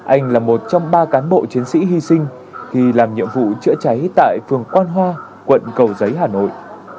anh là một trong ba cán bộ chiến sĩ hy sinh khi làm nhiệm vụ chữa cháy tại phường quan hoa quận cầu giấy hà nội